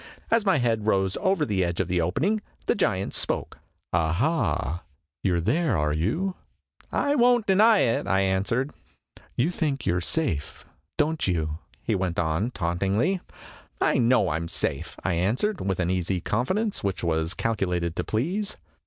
As my head rose over the edge of the opening, the giant spoke :" Aha, you 're there, are you ?'" I won't deny it," I answered. " You think you 're safe, don't you? " he went on tauntingly. " I know I am safe," I answered, with an easy confidence which was calculated to please.